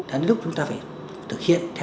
đến lúc chúng ta phải thực hiện